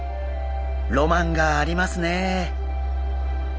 ロマンがありますね。